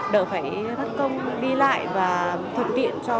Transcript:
đỡ phải thất công đi lại và thực hiện cho